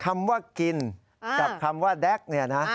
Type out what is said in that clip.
คำว่ากินกับคำว่าแด๊กเนี่ยนะ